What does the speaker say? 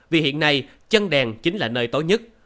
vì hiện nay chân đèn chính là nơi tốt nhất